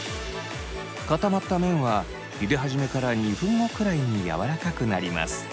固まった麺はゆで始めから２分後くらいにやわらかくなります。